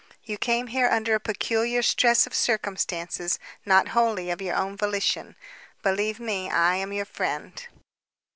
You came here under a peculiar stress of circumstances, not wholly of your own volition. Believe me, I am your friend."